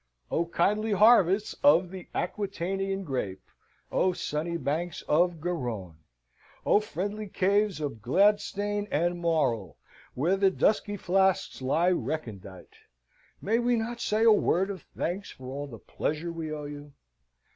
O kindly harvests of the Aquitanian grape! O sunny banks of Garonne! O friendly caves of Gledstane and Morol, where the dusky flasks lie recondite! May we not say a word of thanks for all the pleasure we owe you?